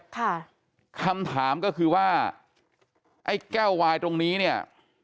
ค่ะคำถามก็คือว่าไอ้แก้ววายตรงนี้เนี่ย